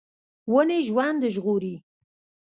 ونې ژوند ژغوري.